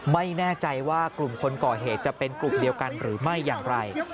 ไม่แน่ใจว่ากลุ่มคนก่อเหตุจะเป็นกลุ่มเดียวกันหรือไม่อย่างไร